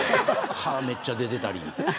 歯めっちゃ出てたり。